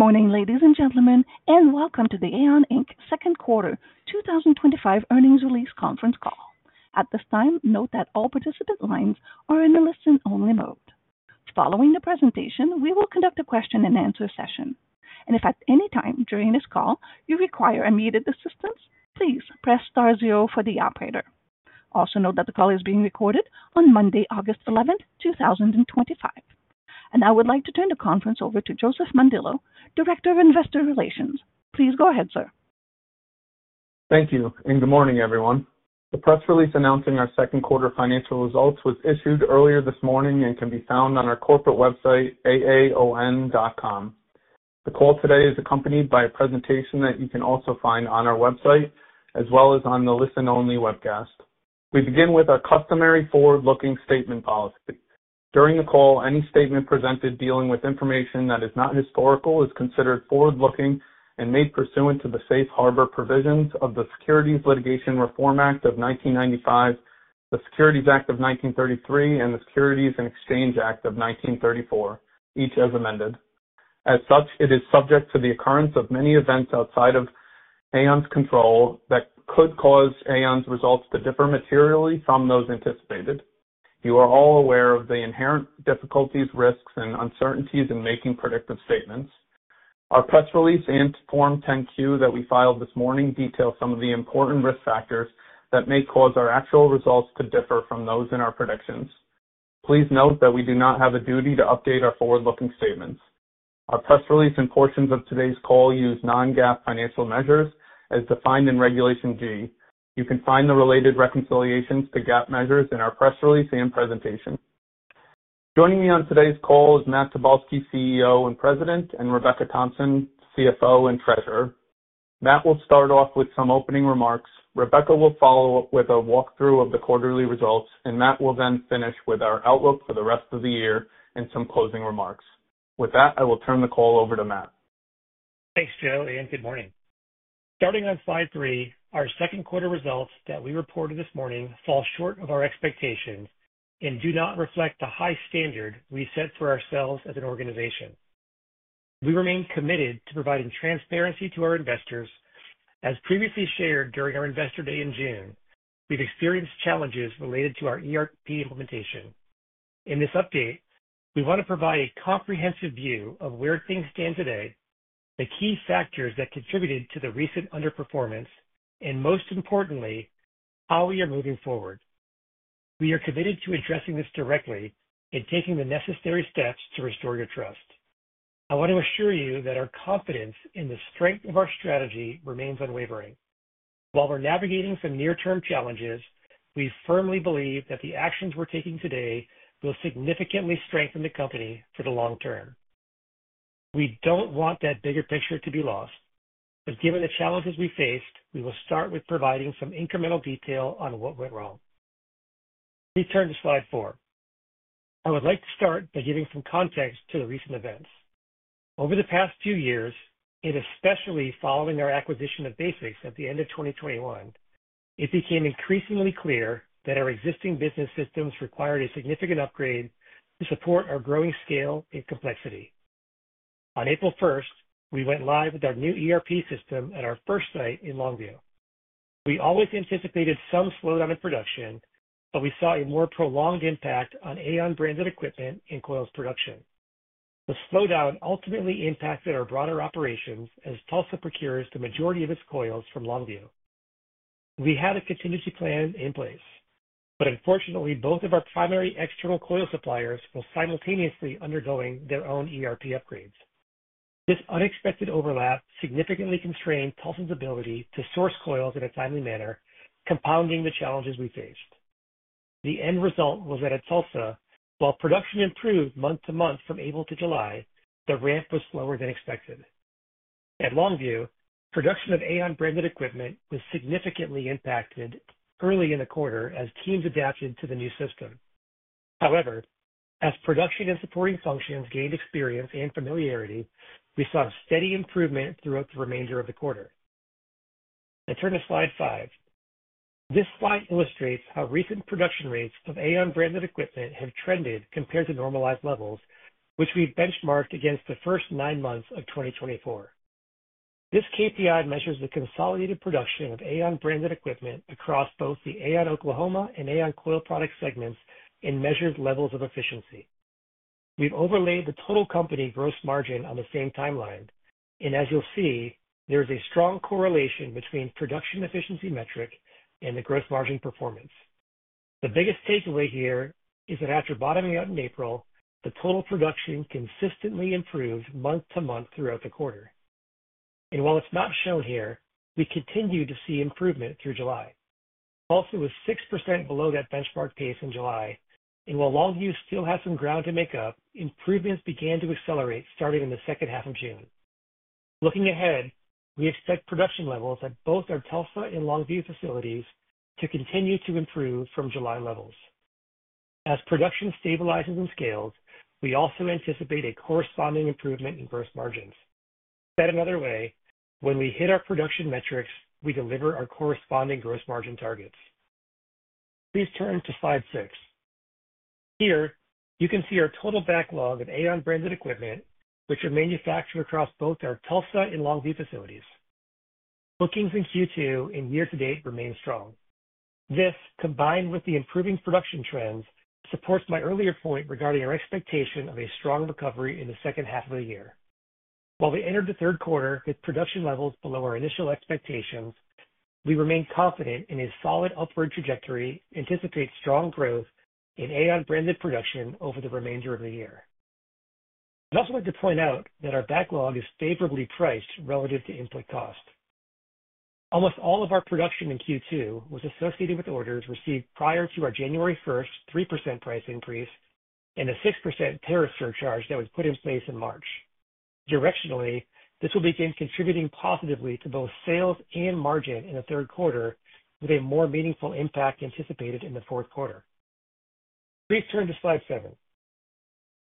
Good morning, ladies and gentlemen, and welcome to the AAON, Inc second quarter 2025 earnings release conference call. At this time, note that all participant lines are in a listen-only mode. Following the presentation, we will conduct a question-and-answer session. If at any time during this call you require immediate assistance, please press star zero for the operator. Also note that the call is being recorded on Monday, August 11, 2025. I would like to turn the conference over to Joseph Mondillo, Director of Investor Relations. Please go ahead, sir. Thank you. Good morning, everyone. The press release announcing our second quarter financial results was issued earlier this morning and can be found on our corporate website, aaon.com. The call today is accompanied by a presentation that you can also find on our website, as well as on the listen-only webcast. We begin with our customary forward-looking statement policy. During the call, any statement presented dealing with information that is not historical is considered forward-looking and made pursuant to the Safe Harbor provisions of the Securities Litigation Reform Act of 1995, the Securities Act of 1933, and the Securities and Exchange Act of 1934, each as amended. As such, it is subject to the occurrence of many events outside of AAON's control that could cause AAON's results to differ materially from those anticipated. You are all aware of the inherent difficulties, risks, and uncertainties in making predictive statements. Our press release and Form 10-Q that we filed this morning detail some of the important risk factors that may cause our actual results to differ from those in our predictions. Please note that we do not have a duty to update our forward-looking statements. Our press release and portions of today's call use non-GAAP financial measures as defined in Regulation G. You can find the related reconciliations to GAAP measures in our press release and presentation. Joining me on today's call is Matt Tobolski, CEO and President, and Rebecca Thompson, CFO and Treasurer. Matt will start off with some opening remarks. Rebecca will follow up with a walkthrough of the quarterly results, and Matt will then finish with our outlook for the rest of the year and some closing remarks. With that, I will turn the call over to Matt. Thanks, Joe, and good morning. Starting on slide three, our second quarter results that we reported this morning fall short of our expectations and do not reflect the high standard we set for ourselves as an organization. We remain committed to providing transparency to our investors. As previously shared during our Investor Day in June, we've experienced challenges related to our ERP implementation. In this update, we want to provide a comprehensive view of where things stand today, the key factors that contributed to the recent underperformance, and most importantly, how we are moving forward. We are committed to addressing this directly and taking the necessary steps to restore your trust. I want to assure you that our confidence in the strength of our strategy remains unwavering. While we're navigating some near-term challenges, we firmly believe that the actions we're taking today will significantly strengthen the company for the long term. We don't want that bigger picture to be lost. Given the challenges we faced, we will start with providing some incremental detail on what went wrong. Please turn to slide four. I would like to start by giving some context to the recent events. Over the past two years, and especially following our acquisition of BASX at the end of 2021, it became increasingly clear that our existing business systems required a significant upgrade to support our growing scale and complexity. On April 1st, we went live with our new ERP system at our first site in Longview. We always anticipated some slowdown in production, but we saw a more prolonged impact on AAON branded equipment and coils production. The slowdown ultimately impacted our broader operations as Tulsa procures the majority of its coils from Longview. We had a contingency plan in place, but unfortunately, both of our primary external coil suppliers were simultaneously undergoing their own ERP upgrades. This unexpected overlap significantly constrained Tulsa's ability to source coils in a timely manner, compounding the challenges we faced. The end result was that at Tulsa, while production improved month to month from April to July, the ramp was slower than expected. At Longview, production of AAON branded equipment was significantly impacted early in the quarter as teams adapted to the new system. However, as production and supporting functions gained experience and familiarity, we saw a steady improvement throughout the remainder of the quarter. I turn to slide five. This slide illustrates how recent production rates of AAON branded equipment have trended compared to normalized levels, which we benchmarked against the first nine months of 2024. This KPI measures the consolidated production of AAON branded equipment across both the AAON Oklahoma and AAON Coil Products segments and measures levels of efficiency. We've overlaid the total company gross margin on the same timeline, and as you'll see, there's a strong correlation between the production efficiency metric and the gross margin performance. The biggest takeaway here is that after bottoming out in April, the total production consistently improved month to month throughout the quarter. While it's not shown here, we continue to see improvement through July. Tulsa was 6% below that benchmark pace in July, and while Longview still has some ground to make up, improvements began to accelerate starting in the second half of June. Looking ahead, we expect production levels at both our Tulsa and Longview facilities to continue to improve from July levels. As production stabilizes and scales, we also anticipate a corresponding improvement in gross margins. Said another way, when we hit our production metrics, we deliver our corresponding gross margin targets. Please turn to slide six. Here, you can see our total backlog of AAON branded equipment, which are manufactured across both our Tulsa and Longview facilities. Bookings in Q2 and year-to-date remain strong. This, combined with the improving production trends, supports my earlier point regarding our expectation of a strong recovery in the second half of the year. While we entered the third quarter with production levels below our initial expectations, we remain confident in a solid upward trajectory and anticipate strong growth in AAON branded production over the remainder of the year. I'd also like to point out that our backlog is favorably priced relative to input cost. Almost all of our production in Q2 was associated with orders received prior to our January 1st 3% price increase and the 6% tariff surcharge that was put in place in March. Directionally, this will begin contributing positively to both sales and margin in the third quarter, with a more meaningful impact anticipated in the fourth quarter. Please turn to slide seven.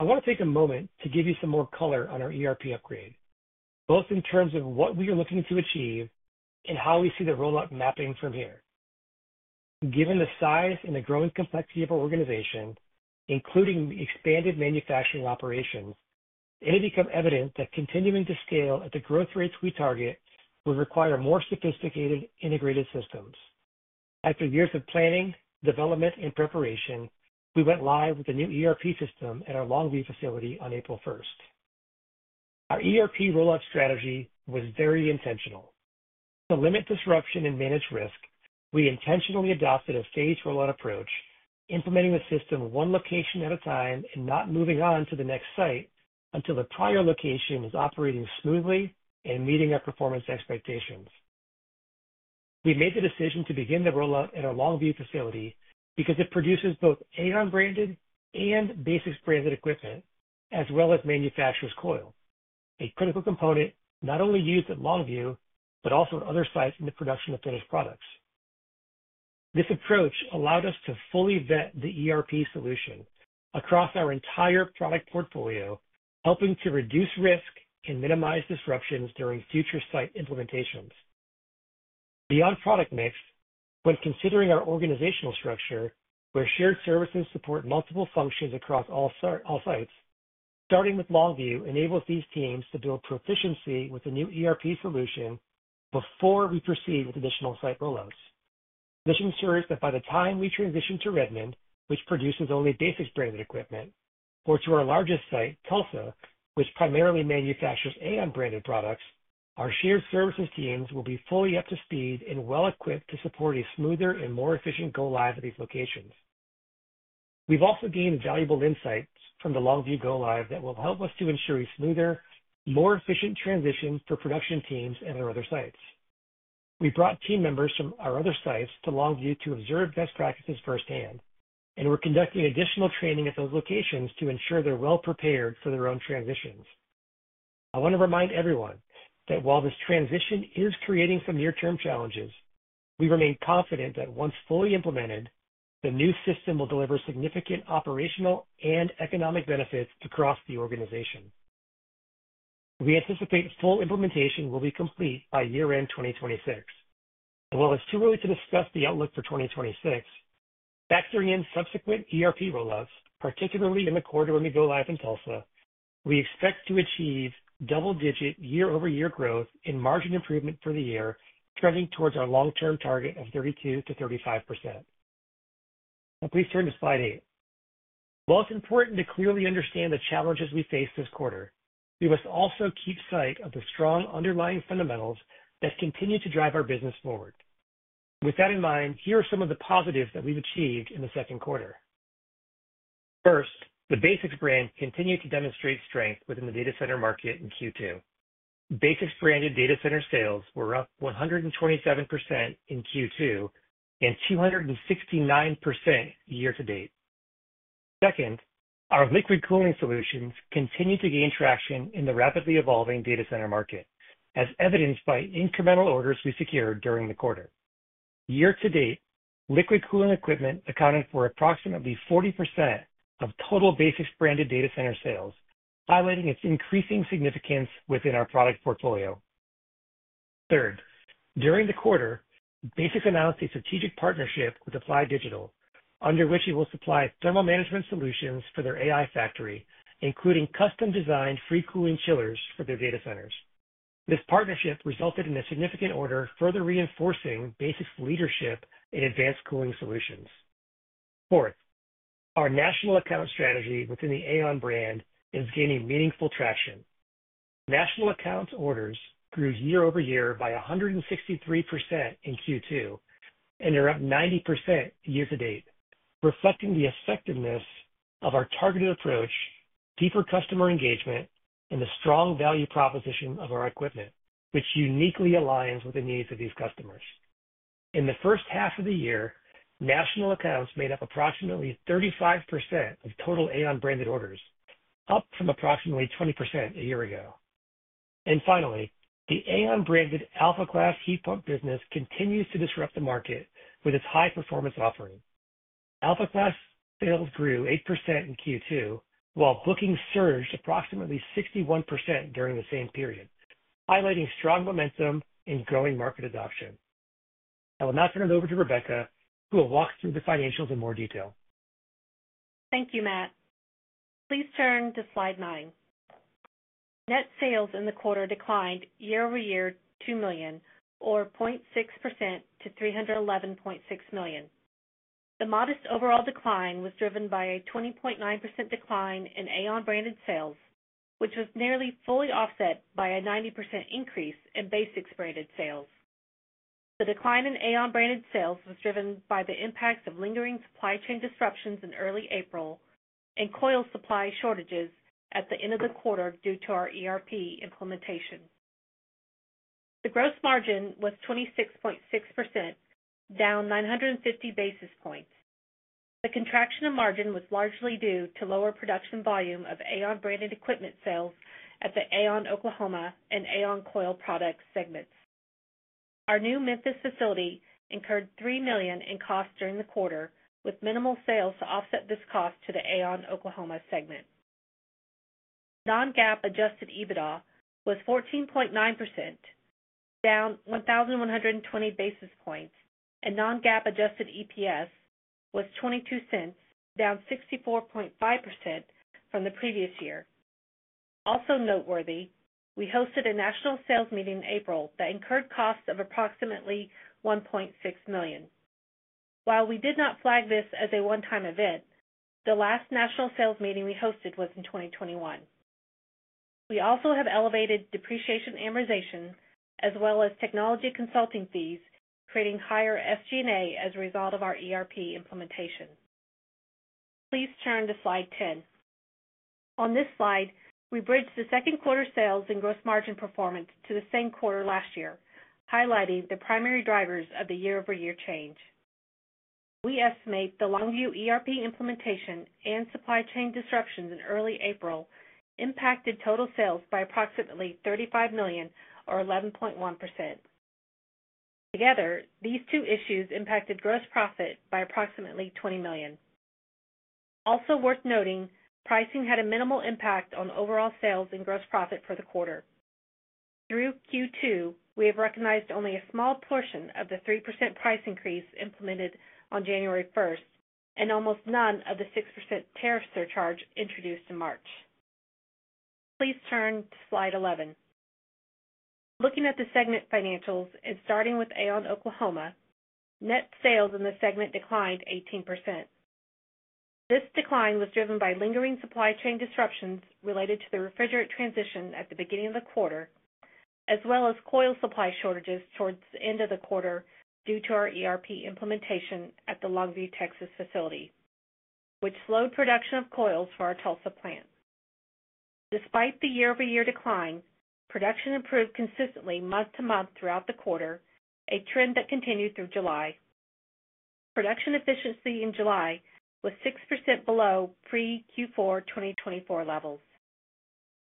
I want to take a moment to give you some more color on our ERP upgrade, both in terms of what we are looking to achieve and how we see the rollout mapping from here. Given the size and the growing complexity of our organization, including the expanded manufacturing operations, it has become evident that continuing to scale at the growth rates we target will require more sophisticated integrated systems. After years of planning, development, and preparation, we went live with a new ERP system at our Longview facility on April 1st. Our ERP rollout strategy was very intentional. To limit disruption and manage risk, we intentionally adopted a phased rollout approach, implementing the system one location at a time and not moving on to the next site until the prior location was operating smoothly and meeting our performance expectations. We made the decision to begin the rollout at our Longview facility because it produces both AAON branded and BASX branded equipment, as well as manufacturer's coil, a critical component not only used at Longview but also at other sites in the production of finished products. This approach allowed us to fully vet the ERP solution across our entire product portfolio, helping to reduce risk and minimize disruptions during future site implementations. Beyond product mix, when considering our organizational structure, where shared services support multiple functions across all sites, starting with Longview enables these teams to build proficiency with the new ERP solution before we proceed with additional site rollouts. This ensures that by the time we transition to Redmond, which produces only BASX branded equipment, or to our largest site, Tulsa, which primarily manufactures AAON branded products, our shared services teams will be fully up to speed and well-equipped to support a smoother and more efficient go-live at these locations. We've also gained valuable insights from the Longview go-live that will help us to ensure a smoother, more efficient transition for production teams at our other sites. We brought team members from our other sites to Longview to observe best practices firsthand, and we're conducting additional training at those locations to ensure they're well-prepared for their own transitions. I want to remind everyone that while this transition is creating some near-term challenges, we remain confident that once fully implemented, the new system will deliver significant operational and economic benefits across the organization. We anticipate full implementation will be complete by year-end 2026. While it's too early to discuss the outlook for 2026, factoring in subsequent ERP rollouts, particularly in the quarterly go-live in Tulsa, we expect to achieve double-digit year-over-year growth in margin improvement for the year, trending towards our long-term target of 32% to 35%. Now, please turn to slide eight. While it's important to clearly understand the challenges we faced this quarter, we must also keep sight of the strong underlying fundamentals that continue to drive our business forward. With that in mind, here are some of the positives that we've achieved in the second quarter. First, the BASX brand continued to demonstrate strength within the data center market in Q2. BASX branded data center sales were up 127% in Q2 and 269% year-to-date. Second, our liquid cooling solutions continued to gain traction in the rapidly evolving data center market, as evidenced by incremental orders we secured during the quarter. Year-to-date, liquid cooling equipment accounted for approximately 40% of total BASX branded data center sales, highlighting its increasing significance within our product portfolio. Third, during the quarter, BASX announced a strategic partnership with Applied Digital, under which it will supply thermal management solutions for their AI factory, including custom-designed free cooling chillers for their data centers. This partnership resulted in a significant order, further reinforcing BASX's leadership in advanced cooling solutions. Fourth, our national account strategy within the AAON brand is gaining meaningful traction. National account orders grew year-over-year by 163% in Q2 and around 90% year-to-date, reflecting the effectiveness of our targeted approach, deeper customer engagement, and the strong value proposition of our equipment, which uniquely aligns with the needs of these customers. In the first half of the year, national accounts made up approximately 35% of total AAON branded orders, up from approximately 20% a year ago. Finally, the AAON branded Alpha Class heat pump business continues to disrupt the market with its high-performance offering. Alpha Class sales grew 8% in Q2, while bookings surged approximately 61% during the same period, highlighting strong momentum and growing market adoption. I will now turn it over to Rebecca, who will walk through the financials in more detail. Thank you, Matt. Please turn to slide nine. Net sales in the quarter declined year-over-year $2 million, or 0.6%, to $311.6 million. The modest overall decline was driven by a 20.9% decline in AAON branded sales, which was nearly fully offset by a 90% increase in BASX branded sales. The decline in AAON branded sales was driven by the impacts of lingering supply chain disruptions in early April and coil supply shortages at the end of the quarter due to our ERP implementation. The gross margin was 26.6%, down 950 basis points. The contraction of margin was largely due to lower production volume of AAON branded equipment sales at the AAON Oklahoma and AAON Coil Products segments. Our new Memphis facility incurred $3 million in costs during the quarter, with minimal sales to offset this cost to the AAON Oklahoma segment. Non-GAAP adjusted EBITDA was 14.9%, down 1,120 basis points, and non-GAAP adjusted EPS was $0.22, down 64.5% from the previous year. Also noteworthy, we hosted a national sales meeting in April that incurred costs of approximately $1.6 million. While we did not flag this as a one-time event, the last national sales meeting we hosted was in 2021. We also have elevated depreciation amortization, as well as technology consulting fees, creating higher SG&A as a result of our ERP implementation. Please turn to slide 10. On this slide, we bridged the second quarter sales and gross margin performance to the same quarter last year, highlighting the primary drivers of the year-over-year change. We estimate the Longview ERP implementation and supply chain disruptions in early April impacted total sales by approximately $35 million, or 11.1%. Together, these two issues impacted gross profit by approximately $20 million. Also worth noting, pricing had a minimal impact on overall sales and gross profit for the quarter. Through Q2, we have recognized only a small portion of the 3% price increase implemented on January 1st and almost none of the 6% tariff surcharge introduced in March. Please turn to slide eleven. Looking at the segment financials and starting with AAON Oklahoma, net sales in the segment declined 18%. This decline was driven by lingering supply chain disruptions related to the refrigerant transition at the beginning of the quarter, as well as coil supply shortages towards the end of the quarter due to our ERP implementation at the Longview, Texas, facility, which slowed production of coils for our Tulsa plant. Despite the year-over-year decline, production improved consistently month to month throughout the quarter, a trend that continued through July. Production efficiency in July was 6% below pre-Q4 2024 levels.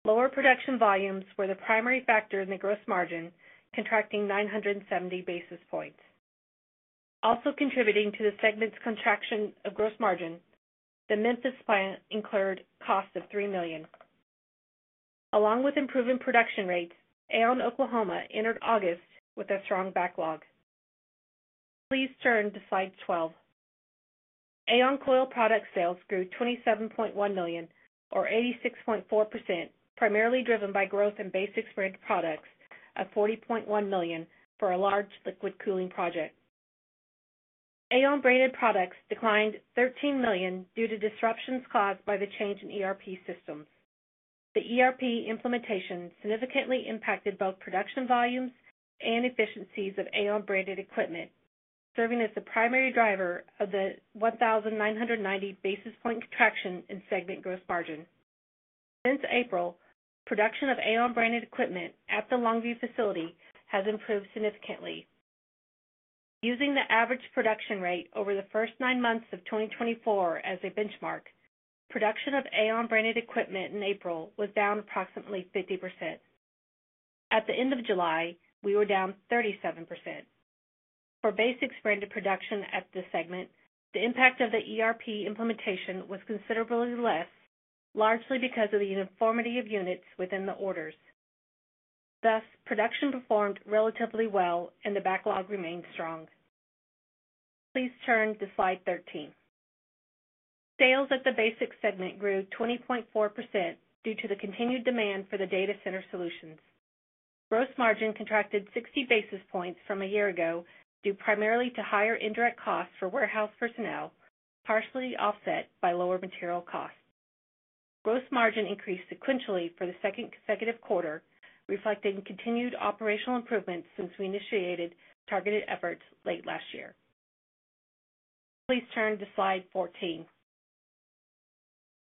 Lower production volumes were the primary factor in the gross margin, contracting 970 basis points. Also contributing to the segment's contraction of gross margin, the Memphis plant incurred a cost of $3 million. Along with improving production rates, AAON Oklahoma entered August with a strong backlog. Please turn to slide 12. AAON Coil Products sales grew $27.1 million, or 86.4%, primarily driven by growth in BASX branded products of $40.1 million for a large liquid cooling project. AAON branded products declined $13 million due to disruptions caused by the change in ERP systems. The ERP implementation significantly impacted both production volumes and efficiencies of AAON branded equipment, serving as the primary driver of the 1,990 basis point detraction in segment gross margin. Since April, production of AAON branded equipment at the Longview facility has improved significantly. Using the average production rate over the first nine months of 2024 as a benchmark, production of AAON branded equipment in April was down approximately 50%. At the end of July, we were down 37%. For BASX branded production at this segment, the impact of the ERP implementation was considerably less, largely because of the uniformity of units within the orders. Thus, production performed relatively well, and the backlog remained strong. Please turn to slide 13. Sales at the BASX segment grew 20.4% due to the continued demand for the data center solutions. Gross margin contracted 60 basis points from a year ago, due primarily to higher indirect costs for warehouse personnel, partially offset by lower material costs. Gross margin increased sequentially for the second consecutive quarter, reflecting continued operational improvements since we initiated targeted efforts late last year. Please turn to slide 14.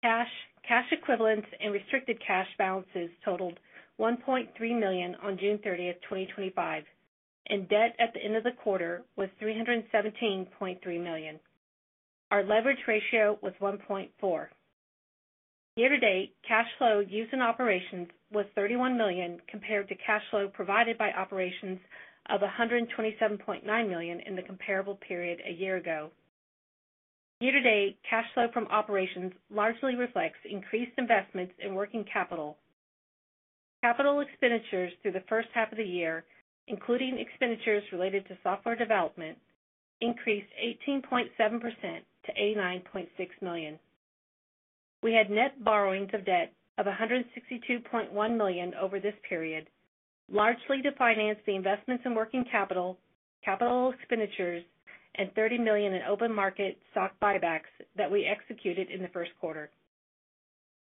Cash, cash equivalents, and restricted cash balances totaled $1.3 million on June 30, 2025, and debt at the end of the quarter was $317.3 million. Our leverage ratio was 1.4. Year-to-date cash flow used in operations was $31 million compared to cash flow provided by operations of $127.9 million in the comparable period a year ago. Year-to-date cash flow from operations largely reflects increased investments in working capital. Capital expenditures through the first half of the year, including expenditures related to software development, increased 18.7% to $89.6 million. We had net borrowings of debt of $162.1 million over this period, largely to finance the investments in working capital, capital expenditures, and $30 million in open market stock buybacks that we executed in the first quarter.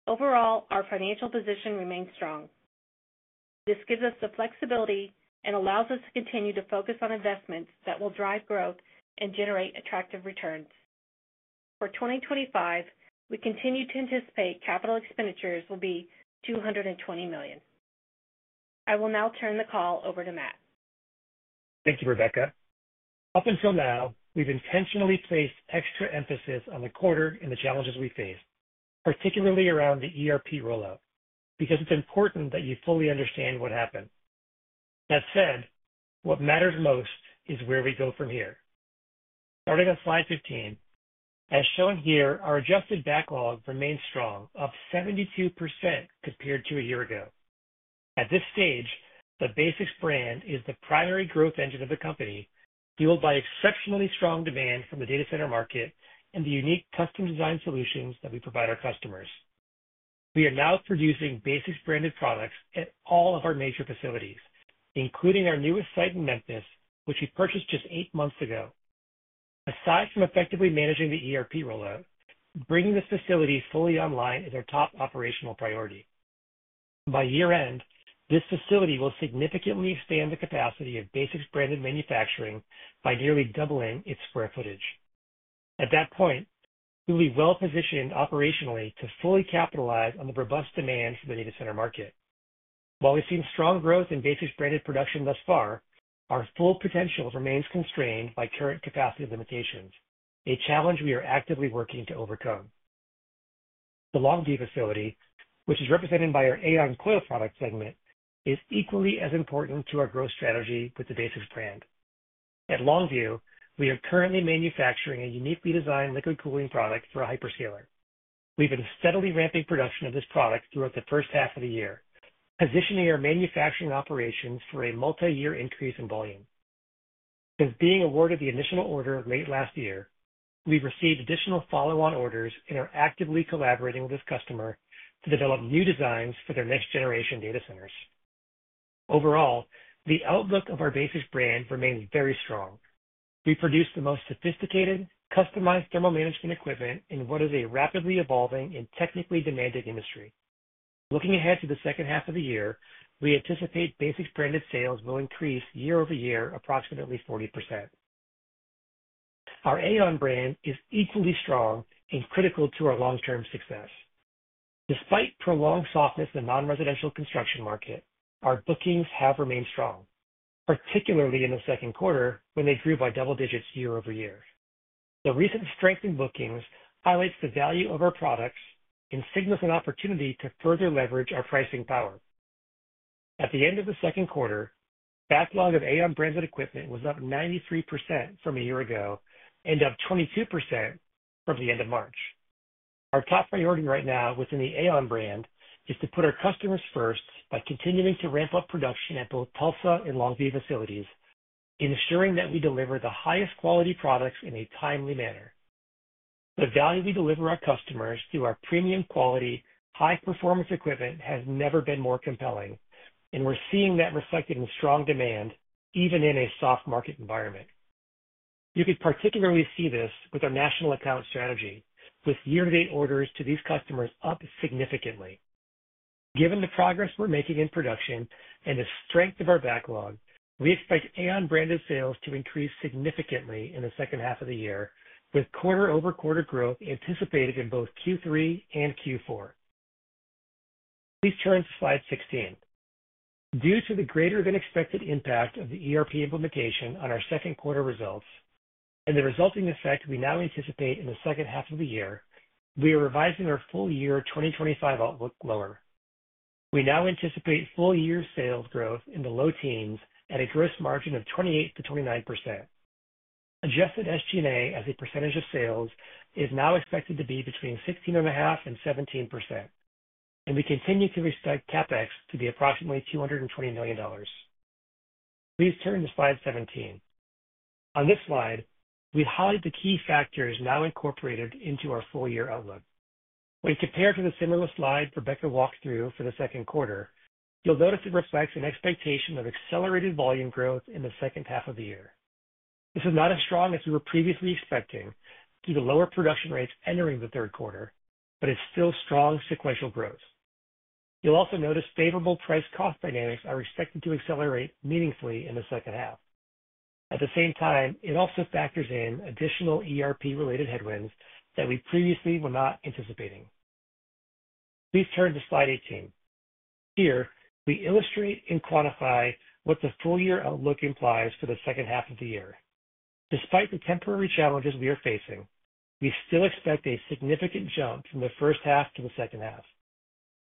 Overall, our financial position remains strong. This gives us the flexibility and allows us to continue to focus on investments that will drive growth and generate attractive returns. For 2025, we continue to anticipate capital expenditures will be $220 million. I will now turn the call over to Matt. Thank you, Rebecca. Up until now, we've intentionally placed extra emphasis on the quarter and the challenges we faced, particularly around the ERP rollout, because it's important that you fully understand what happened. That said, what matters most is where we go from here. Starting on slide 15, as shown here, our adjusted backlog remains strong, up 72% compared to a year ago. At this stage, the BASX brand is the primary growth engine of the company, fueled by exceptionally strong demand from the data center market and the unique custom-designed solutions that we provide our customers. We are now producing BASX branded products at all of our major facilities, including our newest site in Memphis, which we purchased just eight months ago. Aside from effectively managing the ERP rollout, bringing this facility fully online is our top operational priority. By year-end, this facility will significantly expand the capacity of BASX branded manufacturing by nearly doubling its square footage. At that point, we'll be well-positioned operationally to fully capitalize on the robust demand for the data center market. While we've seen strong growth in BASX branded production thus far, our full potential remains constrained by current capacity limitations, a challenge we are actively working to overcome. The Longview facility, which is represented by our AAON Coil Products segment, is equally as important to our growth strategy with the BASX brand. At Longview, we are currently manufacturing a uniquely designed liquid cooling product for a hyperscaler. We've been steadily ramping production of this product throughout the first half of the year, positioning our manufacturing operations for a multi-year increase in volume. Since being awarded the initial order late last year, we've received additional follow-on orders and are actively collaborating with this customer to develop new designs for their next-generation data centers. Overall, the outlook of our BASX brand remains very strong. We produce the most sophisticated, customized thermal management equipment in what is a rapidly evolving and technically demanding industry. Looking ahead to the second half of the year, we anticipate BASX branded sales will increase year-over-year approximately 40%. Our AAON brand is equally strong and critical to our long-term success. Despite prolonged softness in the non-residential construction market, our bookings have remained strong, particularly in the second quarter when they grew by double digits year-over-year. The recent strength in bookings highlights the value of our products and signals an opportunity to further leverage our pricing power. At the end of the second quarter, the backlog of AAON branded equipment was up 93% from a year ago and up 22% from the end of March. Our top priority right now within the AAON brand is to put our customers first by continuing to ramp up production at both Tulsa and Longview facilities, ensuring that we deliver the highest quality products in a timely manner. The value we deliver our customers through our premium quality, high-performance equipment has never been more compelling, and we're seeing that reflected in strong demand, even in a soft market environment. You can particularly see this with our national account strategy, with year-to-date orders to these customers up significantly. Given the progress we're making in production and the strength of our backlog, we expect AAON branded sales to increase significantly in the second half of the year, with quarter-over-quarter growth anticipated in both Q3 and Q4. Please turn to slide 16. Due to the greater than expected impact of the ERP implementation on our second quarter results and the resulting effect we now anticipate in the second half of the year, we are revising our full year 2025 outlook lower. We now anticipate full-year sales growth in the low teens at a gross margin of 28% to 29%. Adjusted SG&A as a percentage of sales is now expected to be between 16.5% and 17%, and we continue to expect CapEx to be approximately $220 million. Please turn to slide 17. On this slide, we've highlighted the key factors now incorporated into our full-year outlook. When compared to the similar slide Rebecca Thompson walked through for the second quarter, you'll notice it reflects an expectation of accelerated volume growth in the second half of the year. This is not as strong as we were previously expecting due to lower production rates entering the third quarter, but it's still strong sequential growth. You'll also notice favorable price-cost dynamics are expected to accelerate meaningfully in the second half. At the same time, it also factors in additional ERP-related headwinds that we previously were not anticipating. Please turn to slide 18. Here, we illustrate and quantify what the full-year outlook implies for the second half of the year. Despite the temporary challenges we are facing, we still expect a significant jump from the first half to the second half.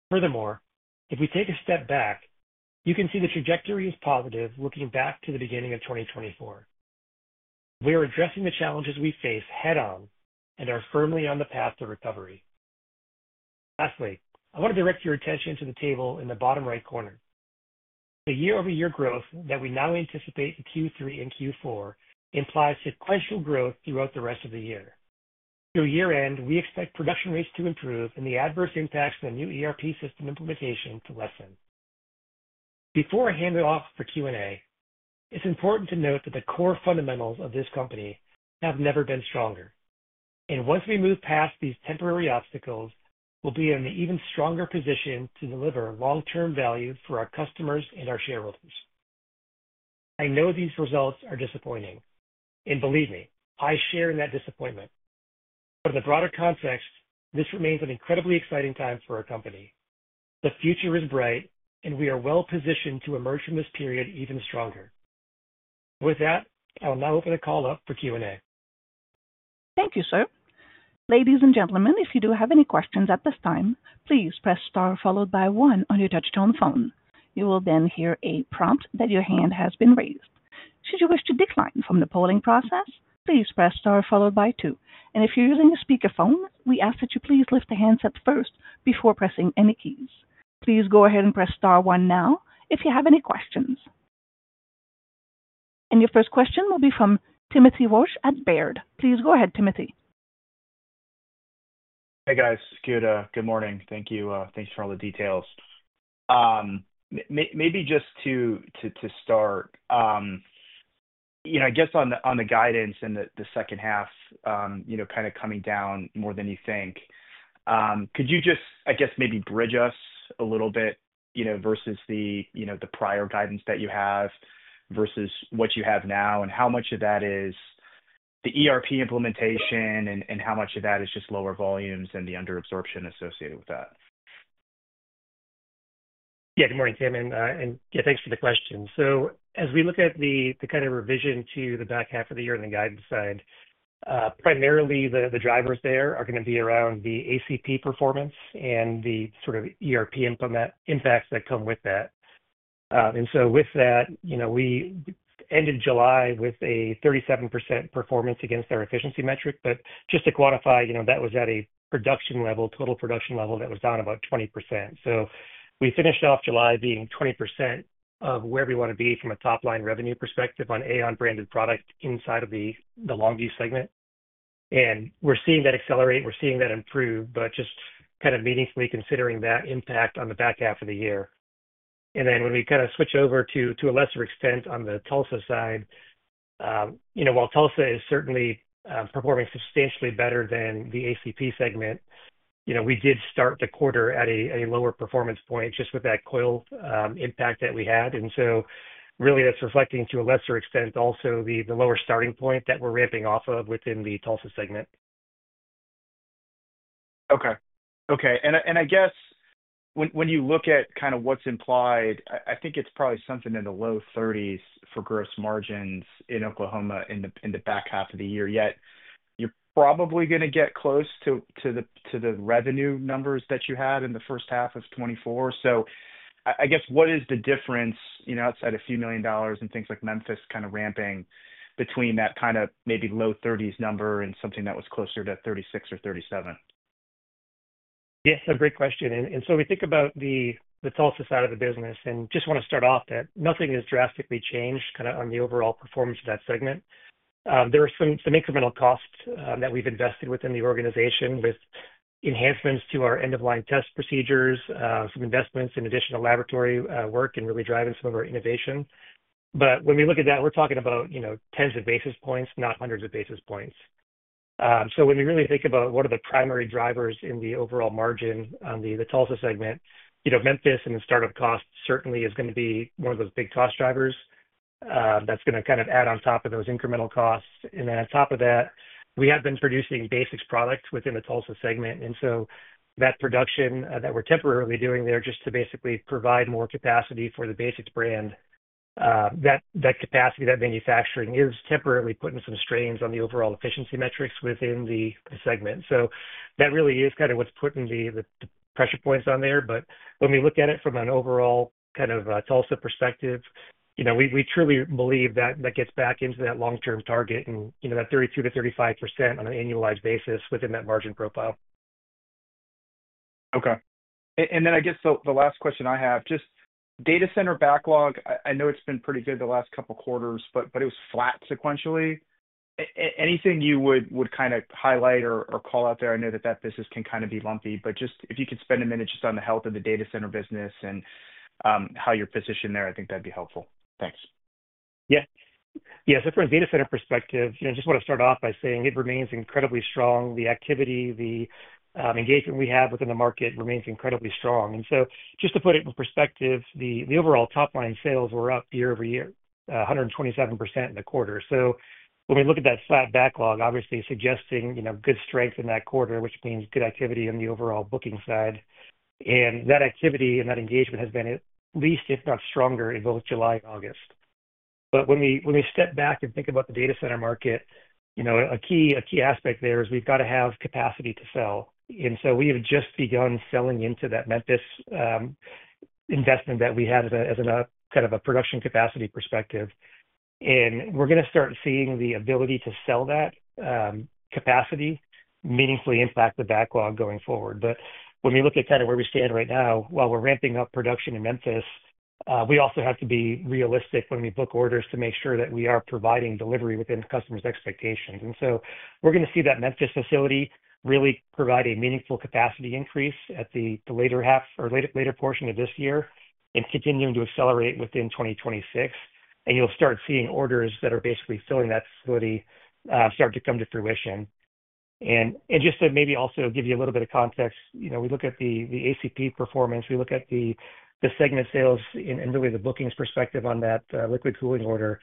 Furthermore, if we take a step back, you can see the trajectory is positive looking back to the beginning of 2024. We are addressing the challenges we face head-on and are firmly on the path to recovery. Lastly, I want to direct your attention to the table in the bottom right corner. The year-over-year growth that we now anticipate for Q3 and Q4 implies sequential growth throughout the rest of the year. Through year-end, we expect production rates to improve and the adverse impacts of the new ERP system implementation to lessen. Before I hand it off for Q&A, it's important to note that the core fundamentals of this company have never been stronger. Once we move past these temporary obstacles, we'll be in an even stronger position to deliver long-term value for our customers and our shareholders. I know these results are disappointing, and believe me, I share in that disappointment. In the broader context, this remains an incredibly exciting time for our company. The future is bright, and we are well-positioned to emerge from this period even stronger. With that, I will now open a call up for Q&A. Thank you, sir. Ladies and gentlemen, if you do have any questions at this time, please press star followed by one on your touchtone phone. You will then hear a prompt that your hand has been raised. Should you wish to decline from the polling process, please press star followed by two. If you're using a speaker phone, we ask that you please lift the handsets first before pressing any keys. Please go ahead and press star one now if you have any questions. Your first question will be from Timothy Walsh at Baird. Please go ahead, Timothy. Good morning. Thank you. Thanks for all the details. Maybe just to start, on the guidance in the second half, kind of coming down more than you think, could you maybe bridge us a little bit versus the prior guidance that you have versus what you have now and how much of that is the ERP implementation and how much of that is just lower volumes and the under-absorption associated with that? Good morning, Tim, and thanks for the question. As we look at the kind of revision to the back half of the year on the guidance side, primarily the drivers there are going to be around the ACP performance and the sort of ERP impacts that come with that. With that, we ended July with a 37% performance against our efficiency metric. Just to quantify, that was at a production level, total production level that was down about 20%. We finished off July being 20% of where we want to be from a top-line revenue perspective on AAON branded products inside of the Longview segment. We're seeing that accelerate and improve, but just kind of meaningfully considering that impact on the back half of the year. When we switch over to a lesser extent on the Tulsa side, while Tulsa is certainly performing substantially better than the ACP segment, we did start the quarter at a lower performance point just with that coil impact that we had. That is reflecting to a lesser extent also the lower starting point that we're ramping off of within the Tulsa segment. Okay. Okay. When you look at kind of what's implied, I think it's probably something in the low 30% for gross margins in Oklahoma in the back half of the year. Yet you're probably going to get close to the revenue numbers that you had in the first half of 2024. What is the difference, you know, outside a few million dollars and things like Memphis kind of ramping between that kind of maybe low 30% number and something that was closer to 36% or 37%? Yeah, great question. We think about the Tulsa side of the business and just want to start off that nothing has drastically changed on the overall performance of that segment. There are some incremental costs that we've invested within the organization with enhancements to our end-of-line test procedures, some investments in additional laboratory work, and really driving some of our innovation. When we look at that, we're talking about tens of basis points, not hundreds of basis points. When we really think about what are the primary drivers in the overall margin on the Tulsa segment, Memphis and the startup cost certainly is going to be one of those big cost drivers that's going to add on top of those incremental costs. On top of that, we have been producing BASX products within the Tulsa segment. That production that we're temporarily doing there just to basically provide more capacity for the BASX brand, that capacity, that manufacturing is temporarily putting some strains on the overall efficiency metrics within the segment. That really is what's putting the pressure points on there. When we look at it from an overall Tulsa perspective, we truly believe that gets back into that long-term target and that 32% to 35% on an annualized basis within that margin profile. Okay. I guess the last question I have, just data center backlog, I know it's been pretty good the last couple of quarters, but it was flat sequentially. Anything you would kind of highlight or call out there? I know that that business can kind of be lumpy, but just if you could spend a minute just on the health of the data center business and how you're positioned there, I think that'd be helpful. Thanks. Yeah. From a data center perspective, I just want to start off by saying it remains incredibly strong. The activity, the engagement we have within the market remains incredibly strong. Just to put it in perspective, the overall top-line sales were up year-over-year, 127% in the quarter. When we look at that flat backlog, obviously suggesting good strength in that quarter, which means good activity on the overall booking side. That activity and that engagement has been at least, if not stronger, in both July and August. When we step back and think about the data center market, a key aspect there is we've got to have capacity to sell. We have just begun selling into that Memphis investment that we have as a kind of a production capacity perspective. We're going to start seeing the ability to sell that capacity meaningfully impact the backlog going forward. When we look at kind of where we stand right now, while we're ramping up production in Memphis, we also have to be realistic when we book orders to make sure that we are providing delivery within customers' expectations. We're going to see that Memphis facility really provide a meaningful capacity increase at the later half or later portion of this year and continuing to accelerate within 2026. You'll start seeing orders that are basically filling that facility start to come to fruition. Just to maybe also give you a little bit of context, we look at the ACP performance, we look at the segment sales and really the bookings perspective on that liquid cooling order.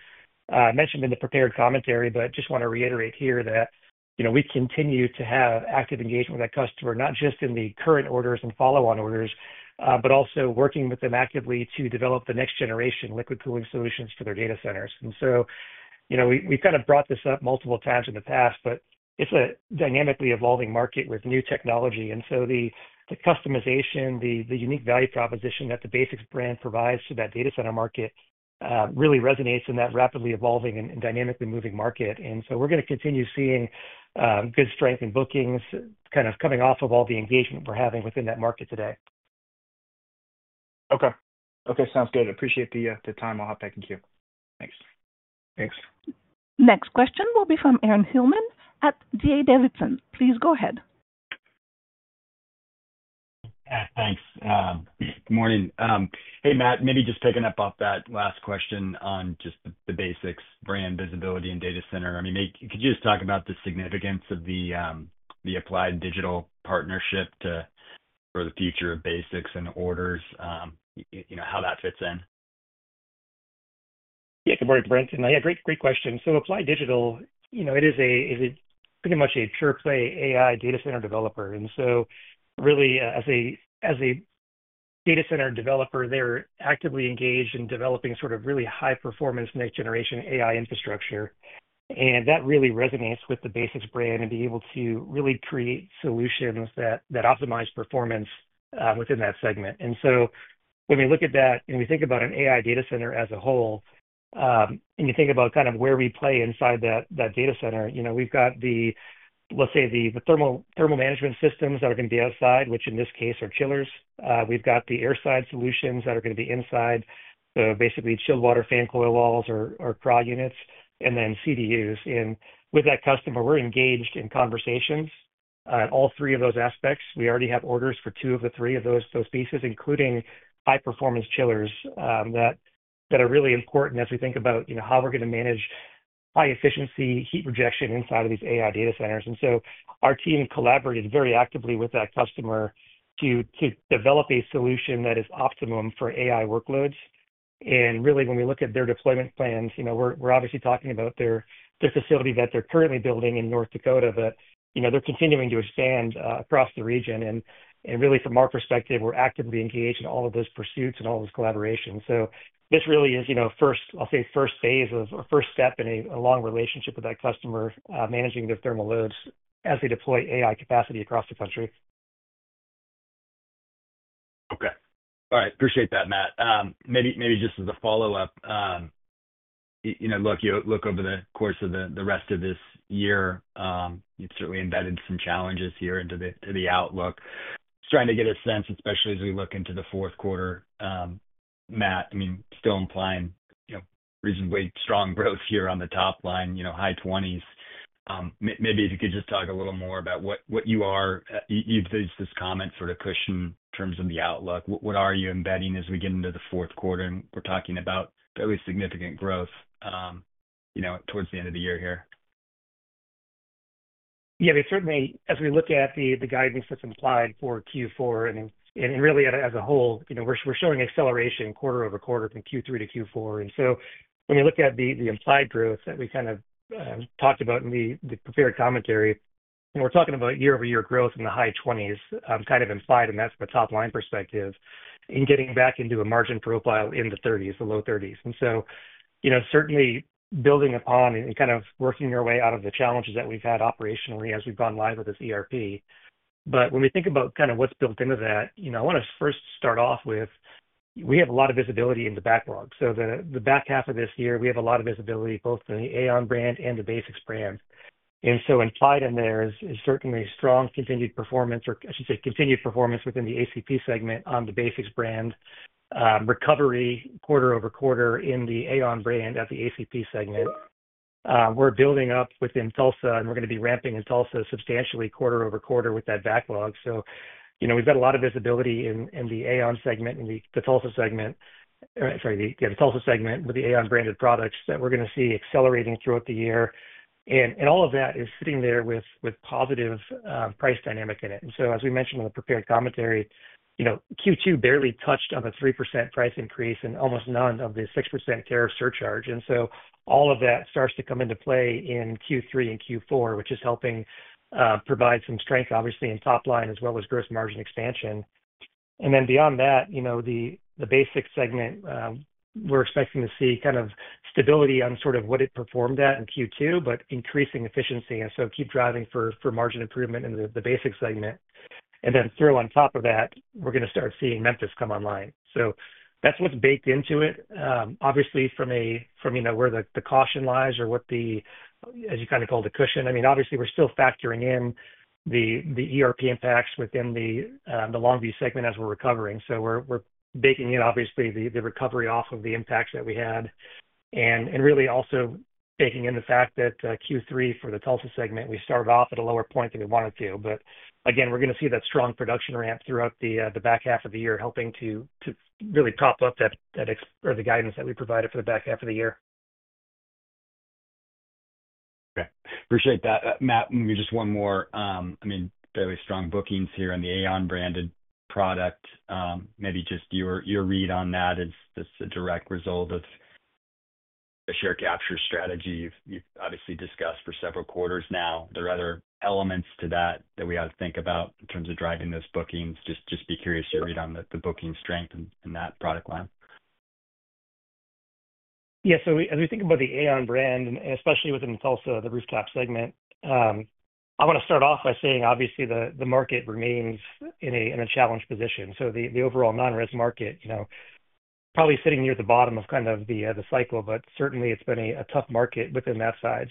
I mentioned in the prepared commentary, but just want to reiterate here that we continue to have active engagement with that customer, not just in the current orders and follow-on orders, but also working with them actively to develop the next generation liquid cooling solutions for their data centers. We've kind of brought this up multiple times in the past, but it's a dynamically evolving market with new technology. The customization, the unique value proposition that the BASX brand provides to that data center market really resonates in that rapidly evolving and dynamically moving market. We're going to continue seeing good strength in bookings kind of coming off of all the engagement we're having within that market today. Okay. Okay. Sounds good. Appreciate the time. I'll hop back in queue. Thanks. Thanks. Next question will be from Aaron Hillman at D.A. Davidson. Please go ahead. Yeah, thanks. Good morning. Hey, Matt. Maybe just picking up off that last question on just the BASX brand visibility in data center. Could you just talk about the significance of the Applied Digital partnership for the future of BASX and orders, you know, how that fits in? Yeah, good morning. Great question. Applied Digital, you know, it is pretty much a pure-play AI data center developer. Really, as a data center developer, they're actively engaged in developing sort of really high-performance next-generation AI infrastructure. That really resonates with the BASX brand and being able to really create solutions that optimize performance within that segment. When we look at that and we think about an AI data center as a whole and you think about kind of where we play inside that data center, we've got the, let's say, the thermal management systems that are going to be outside, which in this case are chillers. We've got the airside solutions that are going to be inside, so basically, chilled water fan coil walls or CRAH units, and then CDUs. With that customer, we're engaged in conversations in all three of those aspects. We already have orders for two of the three of those pieces, including high-performance chillers that are really important as we think about how we're going to manage high-efficiency heat rejection inside of these AI data centers. Our team collaborated very actively with that customer to develop a solution that is optimum for AI workloads. When we look at their deployment plans, we're obviously talking about their facility that they're currently building in North Dakota, but they're continuing to expand across the region. From our perspective, we're actively engaged in all of those pursuits and all those collaborations. This really is, first, I'll say, first phase of or first step in a long relationship with that customer managing their thermal loads as they deploy AI capacity across the country. Okay. All right. Appreciate that, Matt. Maybe just as a follow-up, you know, look, you look over the course of the rest of this year, you've certainly embedded some challenges here into the outlook. Just trying to get a sense, especially as we look into the fourth quarter, Matt. I mean, still implying, you know, reasonably strong growth here on the top line, you know, high 20%. Maybe if you could just talk a little more about what you are, you've used this comment sort of push in terms of the outlook. What are you embedding as we get into the fourth quarter? We're talking about fairly significant growth, you know, towards the end of the year here. Yeah, we certainly, as we look at the guidance that's implied for Q4 and really as a whole, we're showing acceleration quarter over quarter from Q3 to Q4. When we look at the implied growth that we kind of talked about in the prepared commentary, we're talking about year-over-year growth in the high 20%, kind of implied in that from a top-line perspective, and getting back into a margin profile in the 30%, the low 30%. Certainly building upon and kind of working your way out of the challenges that we've had operationally as we've gone live with this ERP system. When we think about kind of what's built into that, I want to first start off with we have a lot of visibility in the backlog. The back half of this year, we have a lot of visibility both in the AAON brand and the BASX brand. Implied in there is certainly strong continued performance, or I should say continued performance within the ACP segment on the BASX brand. Recovery quarter over quarter in the AAON brand at the ACP segment. We're building up within Tulsa, and we're going to be ramping in Tulsa substantially quarter over quarter with that backlog. We've got a lot of visibility in the AAON segment and the Tulsa segment, or sorry, the Tulsa segment with the AAON branded products that we're going to see accelerating throughout the year. All of that is sitting there with positive price dynamics in it. As we mentioned in the prepared commentary, Q2 barely touched on the 3% price increase and almost none of the 6% tariff surcharge. All of that starts to come into play in Q3 and Q4, which is helping provide some strength, obviously, in top line as well as gross margin expansion. Beyond that, the BASX segment, we're expecting to see kind of stability on sort of what it performed at in Q2, but increasing efficiency. Keep driving for margin improvement in the BASX segment. Throw on top of that, we're going to start seeing Memphis come online. That's what's baked into it. Obviously, from a, you know, where the caution lies or what the, as you kind of call the cushion, I mean, obviously, we're still factoring in the ERP impacts within the Longview segment as we're recovering. We're baking in, obviously, the recovery off of the impacts that we had. Really also taking in the fact that Q3 for the Tulsa segment, we started off at a lower point than we wanted to. Again, we're going to see that strong production ramp throughout the back half of the year, helping to really top up that or the guidance that we provided for the back half of the year. Okay. Appreciate that, Matt. Maybe just one more. I mean, fairly strong bookings here on the AAON branded product. Maybe just your read on that. It's a direct result of the share capture strategy you've obviously discussed for several quarters now. Are there other elements to that that we have to think about in terms of driving those bookings? Just be curious to read on the booking strength in that product line. Yeah. As we think about the AAON brand, and especially within Tulsa, the rooftop segment, I want to start off by saying, obviously, the market remains in a challenged position. The overall non-res market, you know, probably sitting near the bottom of kind of the cycle, but certainly, it's been a tough market within that side.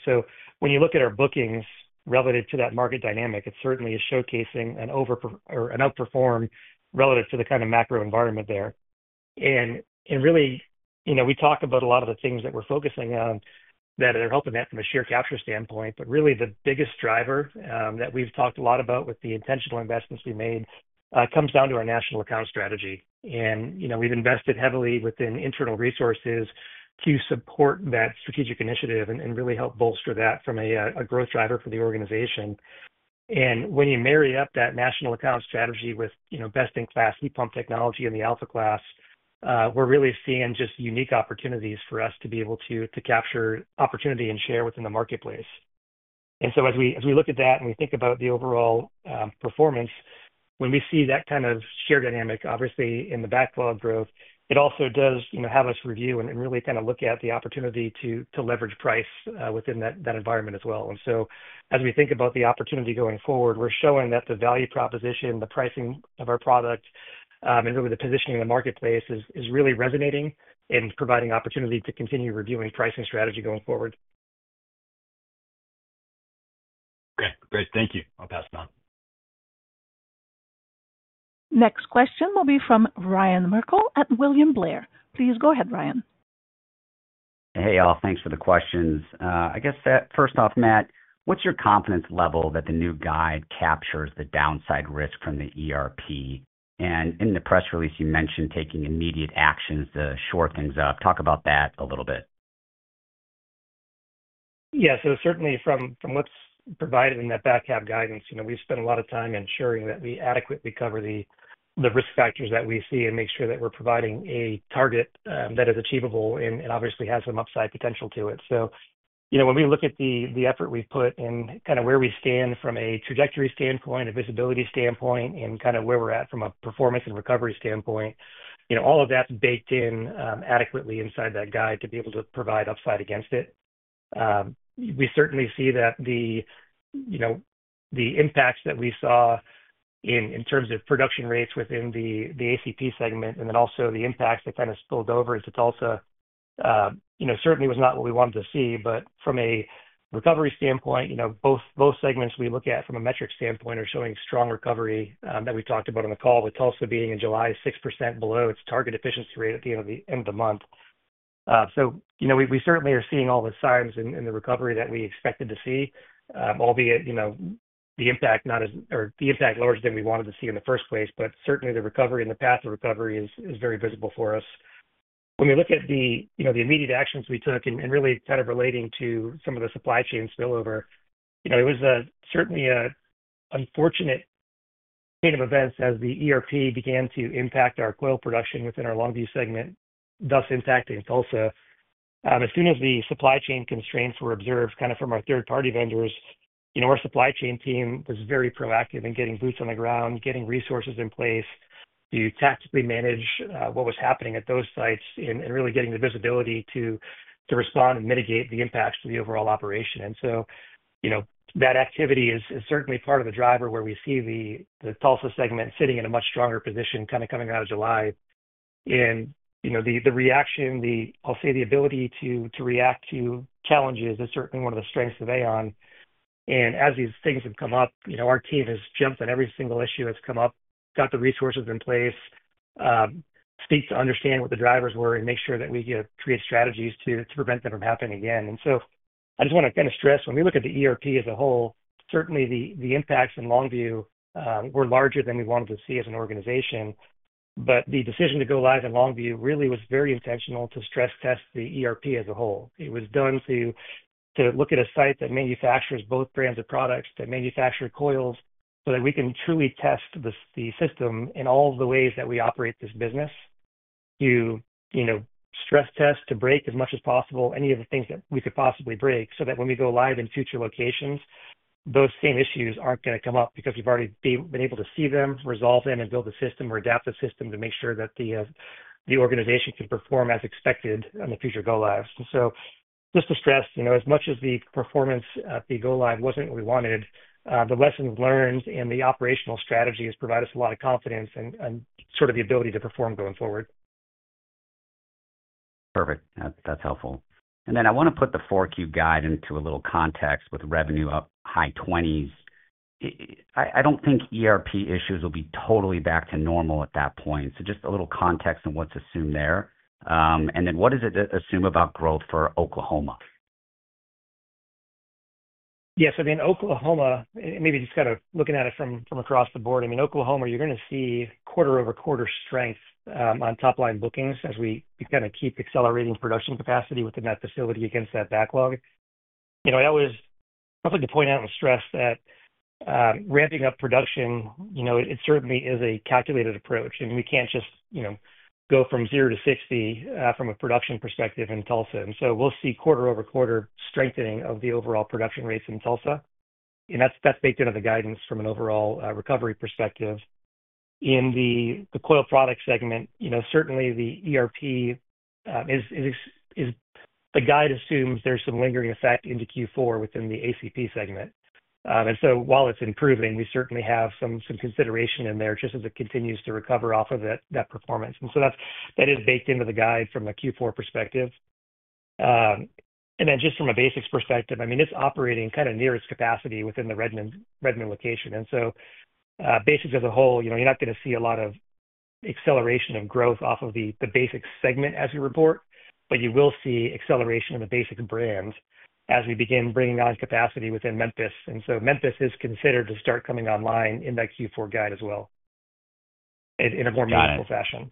When you look at our bookings relative to that market dynamic, it certainly is showcasing an over or an outperform relative to the kind of macro environment there. We talk about a lot of the things that we're focusing on that are helping that from a share capture standpoint, but really, the biggest driver that we've talked a lot about with the intentional investments we made comes down to our national account strategy. We've invested heavily within internal resources to support that strategic initiative and really help bolster that from a growth driver for the organization. When you marry up that national account strategy with, you know, best-in-class heat pump technology in the Alpha Class, we're really seeing just unique opportunities for us to be able to capture opportunity and share within the marketplace. As we look at that and we think about the overall performance, when we see that kind of share dynamic, obviously, in the backlog growth, it also does, you know, have us review and really kind of look at the opportunity to leverage price within that environment as well. As we think about the opportunity going forward, we're showing that the value proposition, the pricing of our product, and really the positioning in the marketplace is really resonating and providing opportunity to continue reviewing pricing strategy going forward. Okay. Great. Thank you. I'll pass it on. Next question will be from Ryan Merkel at William Blair. Please go ahead, Ryan. Hey, all. Thanks for the questions. I guess that first off, Matt, what's your confidence level that the new guide captures the downside risk from the ERP? In the press release, you mentioned taking immediate actions to shore things up. Talk about that a little bit. Yeah. Certainly from what's provided in that back-half guidance, we've spent a lot of time ensuring that we adequately cover the risk factors that we see and make sure that we're providing a target that is achievable and obviously has some upside potential to it. When we look at the effort we've put in, kind of where we stand from a trajectory standpoint, a visibility standpoint, and kind of where we're at from a performance and recovery standpoint, all of that's baked in adequately inside that guide to be able to provide upside against it. We certainly see that the impacts that we saw in terms of production rates within the ACP segment and then also the impacts that kind of spilled over into Tulsa certainly were not what we wanted to see. From a recovery standpoint, both segments we look at from a metric standpoint are showing strong recovery that we talked about on the call, with Tulsa being in July 6% below its target efficiency rate at the end of the month. We certainly are seeing all the signs in the recovery that we expected to see, albeit the impact not as, or the impact lower than we wanted to see in the first place, but certainly the recovery and the path of recovery is very visible for us. When we look at the immediate actions we took and really kind of relating to some of the supply chain spillover, it was certainly an unfortunate chain of events as the ERP system began to impact our coil production within our Longview segment, thus impacting Tulsa. As soon as the supply chain constraints were observed from our third-party vendors, our supply chain team was very proactive in getting boots on the ground, getting resources in place to tactically manage what was happening at those sites, and really getting the visibility to respond and mitigate the impacts to the overall operation. That activity is certainly part of the driver where we see the Tulsa segment sitting in a much stronger position coming out of July. The ability to react to challenges is certainly one of the strengths of AAON. As these things have come up, our team has jumped on every single issue that's come up, got the resources in place, seek to understand what the drivers were, and make sure that we create strategies to prevent them from happening again. I just want to kind of stress when we look at the ERP as a whole, certainly the impacts in Longview were larger than we wanted to see as an organization. The decision to go live in Longview really was very intentional to stress test the ERP as a whole. It was done to look at a site that manufactures both brands of products that manufacture coils so that we can truly test the system in all of the ways that we operate this business to, you know, stress test, to break as much as possible any of the things that we could possibly break so that when we go live in future locations, those same issues aren't going to come up because we've already been able to see them, resolve them, and build the system or adapt the system to make sure that the organization can perform as expected in the future go-lives. Just to stress, you know, as much as the performance at the go-live wasn't what we wanted, the lessons learned and the operational strategies provide us a lot of confidence and sort of the ability to perform going forward. Perfect. That's helpful. I want to put the 4Q guide into a little context with revenue up high 20%. I don't think ERP issues will be totally back to normal at that point. Just a little context on what's assumed there. What does it assume about growth for Oklahoma? Yeah. So I mean, Oklahoma, maybe just kind of looking at it from across the board, I mean, Oklahoma, you're going to see quarter-over-quarter strength on top-line bookings as we kind of keep accelerating production capacity within that facility against that backlog. I always like to point out and stress that ramping up production, it certainly is a calculated approach. We can't just go from 0 to 60 from a production perspective in Tulsa. We'll see quarter-over-quarter strengthening of the overall production rates in Tulsa, and that's baked into the guidance from an overall recovery perspective. In the coil product segment, the ERP is, the guide assumes there's some lingering effect into Q4 within the ACP segment. While it's improving, we certainly have some consideration in there just as it continues to recover off of that performance. That is baked into the guide from a Q4 perspective. From a BASX perspective, it's operating kind of near its capacity within the Redmond location. BASX as a whole, you're not going to see a lot of acceleration of growth off of the BASX segment as we report, but you will see acceleration in the BASX brand as we begin bringing on capacity within Memphis. Memphis is considered to start coming online in that Q4 guide as well in a more meaningful fashion. Got it.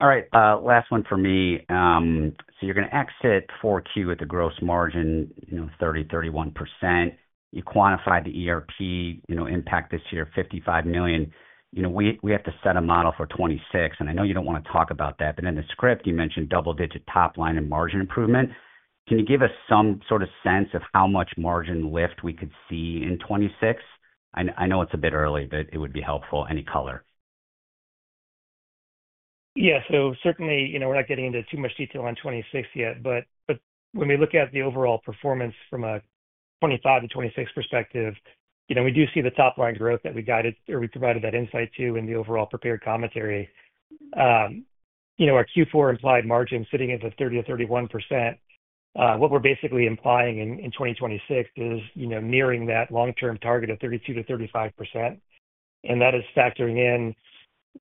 All right. Last one for me. You're going to exit 4Q with a gross margin, you know, 30%, 31%. You quantified the ERP, you know, impact this year of $55 million. We have to set a model for 2026. I know you don't want to talk about that, but in the script, you mentioned double-digit top line and margin improvement. Can you give us some sort of sense of how much margin lift we could see in 2026? I know it's a bit early, but it would be helpful, any color. Yeah. Certainly, you know, we're not getting into too much detail on 2026 yet, but when we look at the overall performance from a 2025 to 2026 perspective, you know, we do see the top line growth that we guided or we provided that insight to in the overall prepared commentary. You know, our Q4 implied margin sitting at the 30% to 31%. What we're basically implying in 2026 is, you know, nearing that long-term target of 32% to 35%. That is factoring in,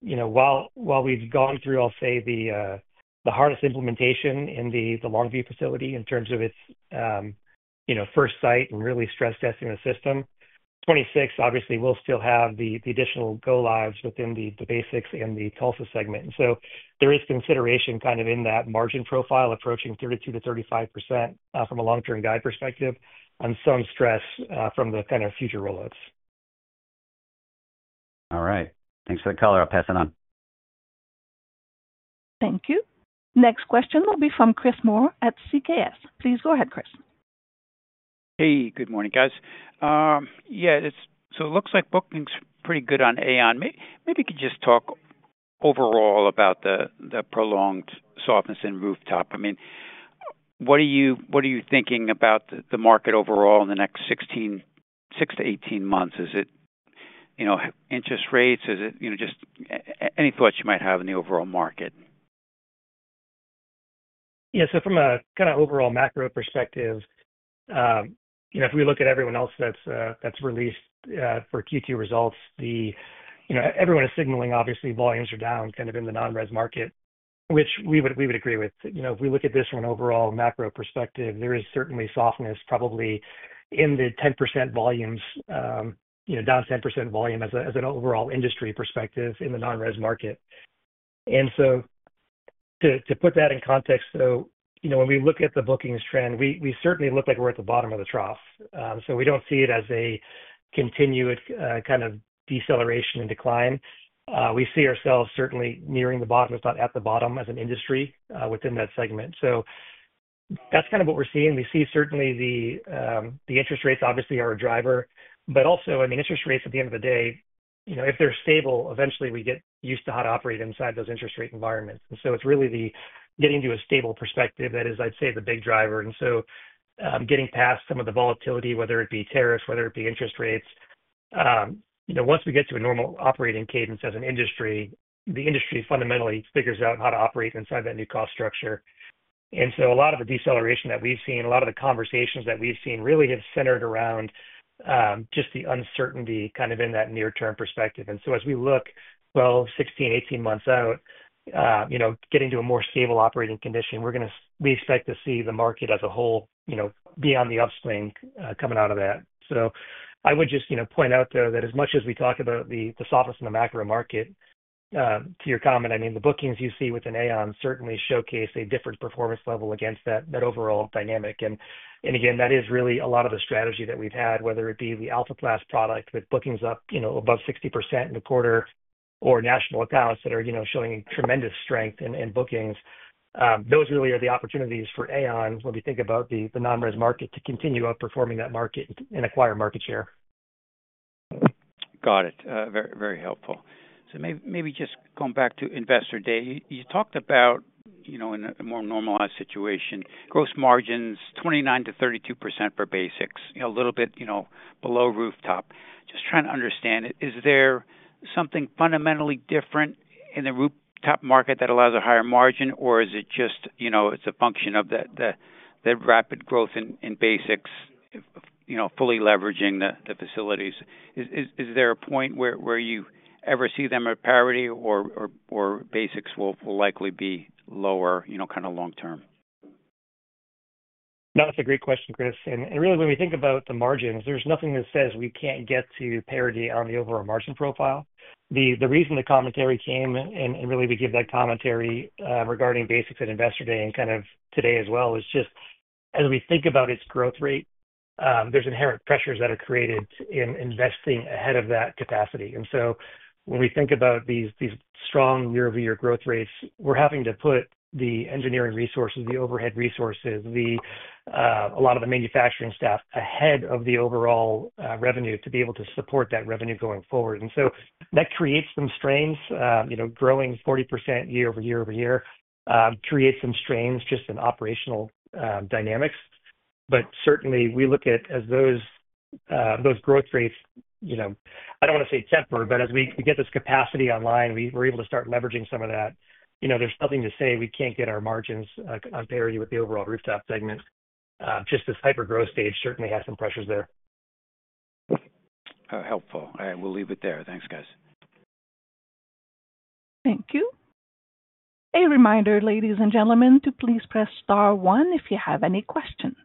you know, while we've gone through, I'll say, the hardest implementation in the Longview facility in terms of its, you know, first site and really stress testing the system, 2026 obviously will still have the additional go-lives within the BASX and the Tulsa segment. There is consideration kind of in that margin profile approaching 32% to 35% from a long-term guide perspective and some stress from the kind of future rollouts. All right, thanks for the color. I'll pass it on. Thank you. Next question will be from Chris Moore at CKS. Please go ahead, Chris. Hey, good morning, guys. Yeah, it looks like booking's pretty good on AAON. Maybe you could just talk overall about the prolonged softness in rooftop. I mean, what are you thinking about the market overall in the next 16 to 18 months? Is it, you know, interest rates? Is it, you know, just any thoughts you might have in the overall market? Yeah, so from a kind of overall macro perspective, if we look at everyone else that's released for Q2 results, everyone is signaling obviously volumes are down kind of in the non-res market, which we would agree with. If we look at this from an overall macro perspective, there is certainly softness probably in the 10% volumes, down 10% volume as an overall industry perspective in the non-res market. To put that in context, though, when we look at the bookings trend, we certainly look like we're at the bottom of the trough. We don't see it as a continued kind of deceleration and decline. We see ourselves certainly nearing the bottom if not at the bottom as an industry within that segment. That's kind of what we're seeing. We see certainly the interest rates obviously are a driver. Also, I mean, interest rates at the end of the day, if they're stable, eventually we get used to how to operate inside those interest rate environments. It's really the getting to a stable perspective that is, I'd say, the big driver. Getting past some of the volatility, whether it be tariffs, whether it be interest rates, once we get to a normal operating cadence as an industry, the industry fundamentally figures out how to operate inside that new cost structure. A lot of the deceleration that we've seen, a lot of the conversations that we've seen really have centered around just the uncertainty kind of in that near-term perspective. As we look 12, 16, 18 months out, getting to a more stable operating condition, we expect to see the market as a whole, beyond the upswing coming out of that. I would just point out, though, that as much as we talk about the softness in the macro market, to your comment, the bookings you see within AAON certainly showcase a different performance level against that overall dynamic. Again, that is really a lot of the strategy that we've had, whether it be the Alpha Class product with bookings up above 60% in a quarter or national accounts that are showing tremendous strength in bookings. Those really are the opportunities for AAON when we think about the non-res market to continue outperforming that market and acquire market share. Got it. Very, very helpful. Maybe just going back to investor day, you talked about, in a more normalized situation, gross margins 29% to 32% for BASX, a little bit below rooftop. Just trying to understand it. Is there something fundamentally different in the rooftop market that allows a higher margin, or is it just a function of the rapid growth in BASX, fully leveraging the facilities? Is there a point where you ever see them at parity or BASX will likely be lower, kind of long-term? No, that's a great question, Chris. Really, when we think about the margins, there's nothing that says we can't get to parity on the overall margin profile. The reason the commentary came, and really we give that commentary regarding BASX at investor day and today as well, is just as we think about its growth rate, there's inherent pressures that are created in investing ahead of that capacity. When we think about these strong year-over-year growth rates, we're having to put the engineering resources, the overhead resources, a lot of the manufacturing staff ahead of the overall revenue to be able to support that revenue going forward. That creates some strains. Growing 40% year-over-year over year creates some strains just in operational dynamics. Certainly, we look at as those growth rates, I don't want to say temper, but as we get this capacity online, we're able to start leveraging some of that. There's nothing to say we can't get our margins on parity with the overall rooftop segment. This hyper-growth stage certainly has some pressures there. Helpful. All right, we'll leave it there. Thanks, guys. Thank you. A reminder, ladies and gentlemen, to please press star one if you have any questions.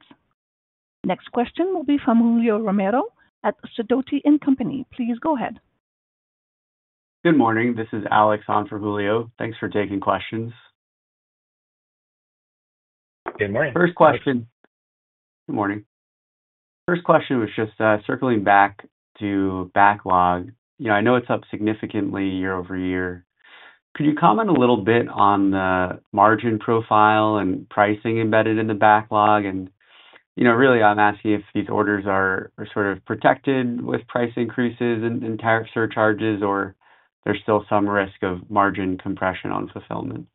Next question will be from Julio Romero at Sidoti & Company. Please go ahead. Good morning. This is Alex on for Julio. Thanks for taking questions. Good morning. First question. Good morning. First question was just circling back to backlog. I know it's up significantly year-over-year. Could you comment a little bit on the margin profile and pricing embedded in the backlog? I'm asking if these orders are sort of protected with price increases and tariff surcharges, or there's still some risk of margin compression on fulfillment.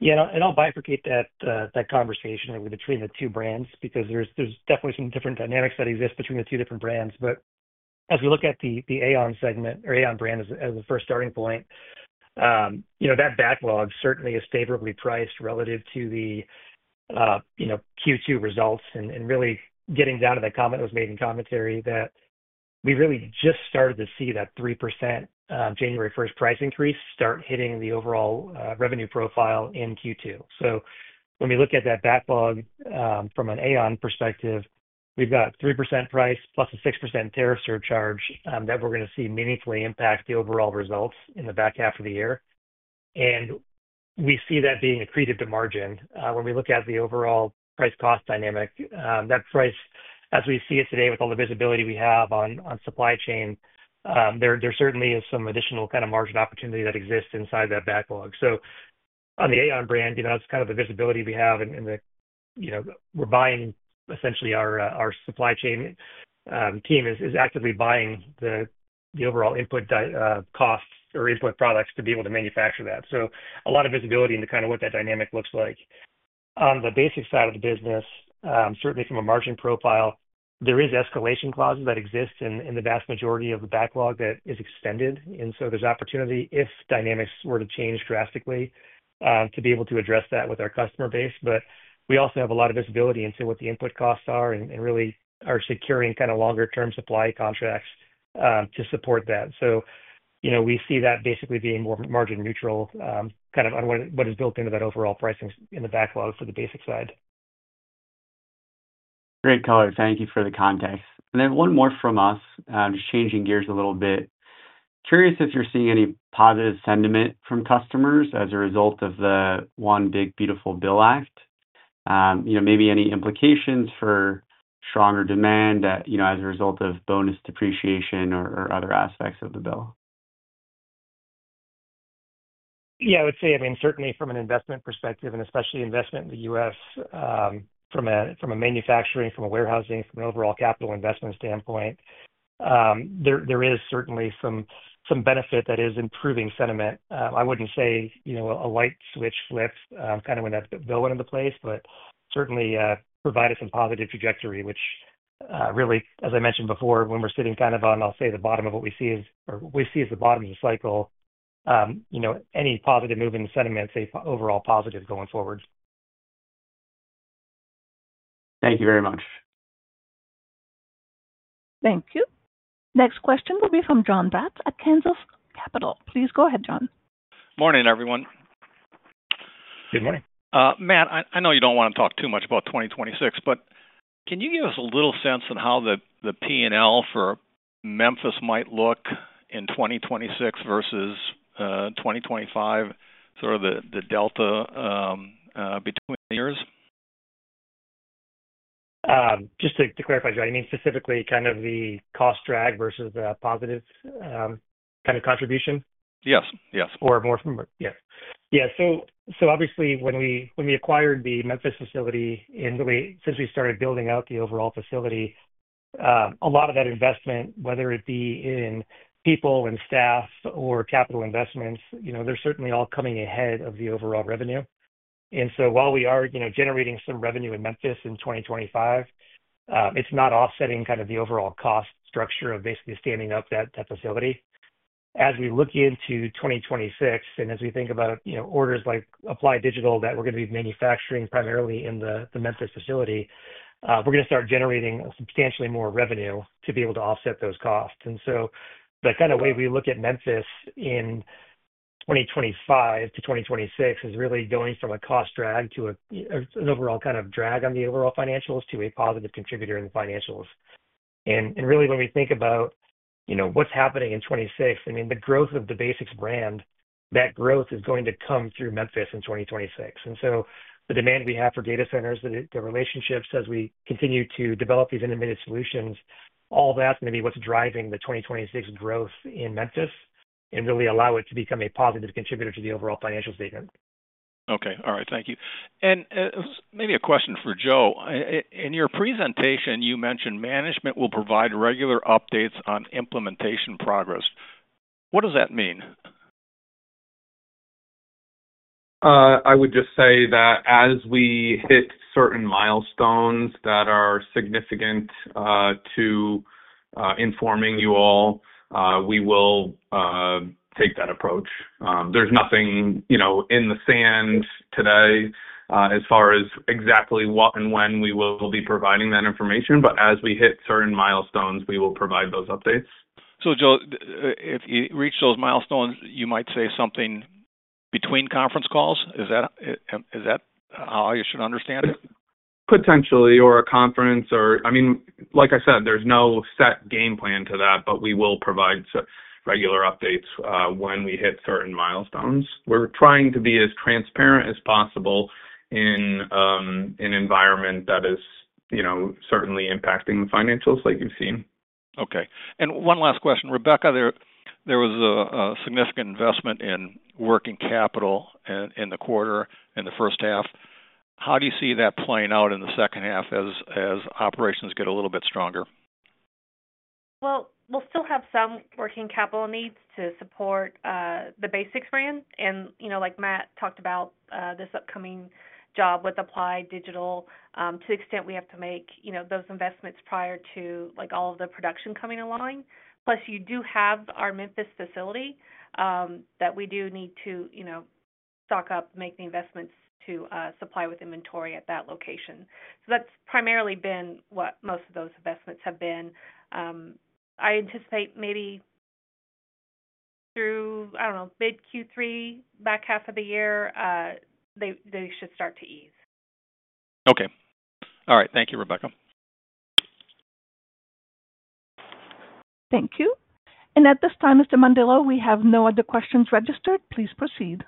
Yeah, I'll bifurcate that conversation between the two brands because there's definitely some different dynamics that exist between the two different brands. As we look at the AAON segment or AAON brand as the first starting point, that backlog certainly is favorably priced relative to the Q2 results. Really getting down to that comment that was made in commentary that we just started to see that 3% January 1st price increase start hitting the overall revenue profile in Q2. When we look at that backlog from an AAON perspective, we've got a 3% price plus a 6% tariff surcharge that we're going to see meaningfully impact the overall results in the back half of the year. We see that being accretive to the margin. When we look at the overall price-cost dynamic, that price, as we see it today with all the visibility we have on supply chain, there certainly is some additional kind of margin opportunity that exists inside that backlog. On the AAON brand, that's kind of the visibility we have in that, we're buying, essentially our supply chain team is actively buying the overall input cost or input products to be able to manufacture that. A lot of visibility into what that dynamic looks like. On the BASX side of the business, certainly from a margin profile, there are escalation clauses that exist in the vast majority of the backlog that is extended. There's opportunity if dynamics were to change drastically to be able to address that with our customer base. We also have a lot of visibility into what the input costs are and really are securing longer-term supply contracts to support that. We see that basically being more margin neutral on what is built into that overall pricing in the backlog for the BASX side. Great, thank you for the context. One more from us, just changing gears a little bit. Curious if you're seeing any positive sentiment from customers as a result of the One Big Beautiful Bill Act. Maybe any implications for stronger demand as a result of bonus depreciation or other aspects of the bill. Yeah, I would say, I mean, certainly from an investment perspective and especially investment in the U.S. from a manufacturing, from a warehousing, from an overall capital investment standpoint, there is certainly some benefit that is improving sentiment. I wouldn't say, you know, a light switch flips kind of when that's a bit villain in the place, but certainly provided some positive trajectory, which really, as I mentioned before, when we're sitting kind of on, I'll say, the bottom of what we see as the bottom of the cycle, you know, any positive moving sentiment, say, overall positive going forward. Thank you very much. Thank you. Next question will be from John Batts at Kansas Capital. Please go ahead, John. Morning, everyone. Good morning. Matt, I know you don't want to talk too much about 2026, but can you give us a little sense on how the P&L for Memphis might look in 2026 versus 2025, sort of the delta between years? Just to clarify, you mean specifically kind of the cost drag versus the positive kind of contribution? Yes, yes. Obviously, when we acquired the Memphis facility and really since we started building out the overall facility, a lot of that investment, whether it be in people and staff or capital investments, they're certainly all coming ahead of the overall revenue. While we are generating some revenue in Memphis in 2025, it's not offsetting kind of the overall cost structure of basically standing up that facility. As we look into 2026 and as we think about orders like Applied Digital that we're going to be manufacturing primarily in the Memphis facility, we're going to start generating substantially more revenue to be able to offset those costs. The way we look at Memphis in 2025 to 2026 is really going from a cost drag to an overall kind of drag on the overall financials to a positive contributor in the financials. Really, when we think about what's happening in 2026, the growth of the BASX brand, that growth is going to come through Memphis in 2026. The demand we have for data centers, the relationships as we continue to develop these integrated solutions, all that's going to be what's driving the 2026 growth in Memphis and really allow it to become a positive contributor to the overall financial statement. All right. Thank you. Maybe a question for Joe. In your presentation, you mentioned management will provide regular updates on implementation progress. What does that mean? I would just say that as we hit certain milestones that are significant to informing you all, we will take that approach. There's nothing in the sand today as far as exactly what and when we will be providing that information, but as we hit certain milestones, we will provide those updates. If you reach those milestones, you might say something between conference calls? Is that how you should understand it? Potentially, or a conference, or, like I said, there's no set game plan to that, but we will provide regular updates when we hit certain milestones. We're trying to be as transparent as possible in an environment that is certainly impacting the financials like you've seen. Okay. One last question. Rebecca, there was a significant investment in working capital in the quarter, in the first half. How do you see that playing out in the second half as operations get a little bit stronger? We still have some working capital needs to support the BASX brand. Like Matt talked about, this upcoming job with Applied Digital, to the extent we have to make those investments prior to all of the production coming online. Plus, you do have our Memphis facility that we do need to stock up, make the investments to supply with inventory at that location. That's primarily been what most of those investments have been. I anticipate maybe through, I don't know, mid-Q3, back half of the year, they should start to ease. Okay. All right. Thank you, Rebecca. Thank you. At this time, Mr. Mondillo, we have no other questions registered. Please proceed.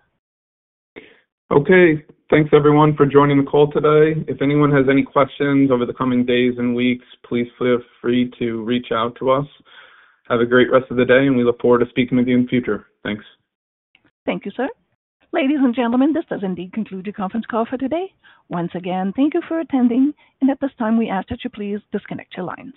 Okay. Thanks, everyone, for joining the call today. If anyone has any questions over the coming days and weeks, please feel free to reach out to us. Have a great rest of the day, and we look forward to speaking with you in the future. Thanks. Thank you, sir. Ladies and gentlemen, this does indeed conclude the conference call for today. Once again, thank you for attending. At this time, we ask that you please disconnect your lines.